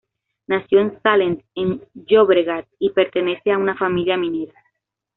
Nació en Sallent de Llobregat y pertenece a una familia minera.